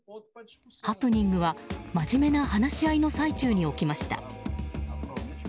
ハプニングは真面目な話し合いの最中に起きました。